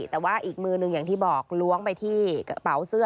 แต่ว่าอีกมือหนึ่งอย่างที่บอกล้วงไปที่กระเป๋าเสื้อ